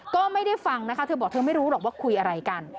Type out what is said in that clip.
ก็ไม่ได้ฟังนะคะเธอบอกเธอไม่รู้หรอกว่าคุยอะไรกัน